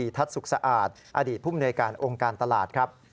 ทัศน์สุขสะอาดอดีตผู้มนวยการองค์การตลาดครับ